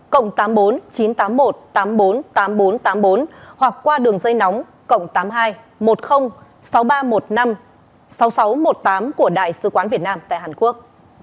cộng tám mươi bốn chín trăm tám mươi một tám mươi bốn tám nghìn bốn trăm tám mươi bốn hoặc qua đường dây nóng cộng tám mươi hai một mươi sáu nghìn ba trăm một mươi năm sáu nghìn sáu trăm một mươi tám của đại sứ quán việt nam tại hàn quốc